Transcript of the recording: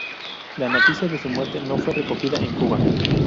La noticia de su muerte no fue recogida en Cuba.